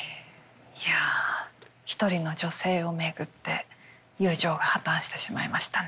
いや一人の女性を巡って友情が破綻してしまいましたね。